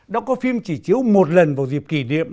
đã có phim chỉ chiếu một lần vào dịp kỷ niệm